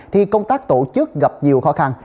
thì công tác tổ chức gặp nhiều khó khăn